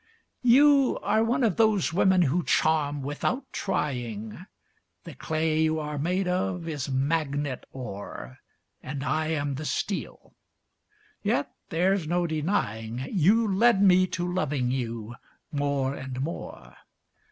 You are one of those women who charm without trying; The clay you are made of is magnet ore, And I am the steel; yet, there's no denying You led me to loving you more and more.